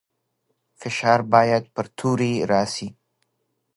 فشار باید پر توري راسي.